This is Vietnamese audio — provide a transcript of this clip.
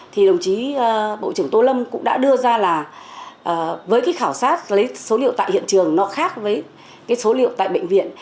thì đồng chí bộ trưởng tô lâm cũng đã đưa ra là với cái khảo sát lấy số liệu tại hiện trường nó khác với cái số liệu tại bệnh viện